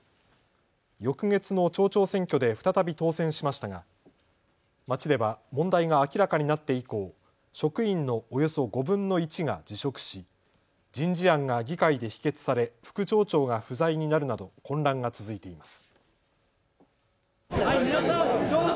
翌月の町長選挙で再び当選しましたが町では問題が明らかになって以降、職員のおよそ５分の１が辞職し人事案が議会で否決され副町長が不在になるなど混乱が続いています。